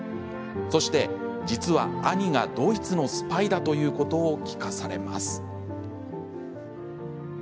そして、実は兄がドイツのスパイだということを聞かされます。